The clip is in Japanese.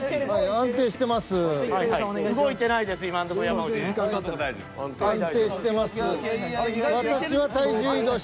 安定してます。